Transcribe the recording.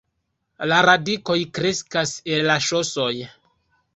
La radikoj kreskas el la ŝosoj.